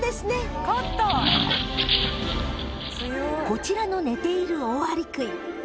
こちらの寝ているオオアリクイ。